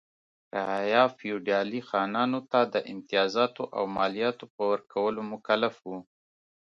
رعایا فیوډالي خانانو ته د امتیازاتو او مالیاتو په ورکولو مکلف و.